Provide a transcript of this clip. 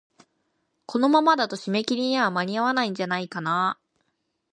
このままだと、締め切りに間に合わないんじゃないかなあ。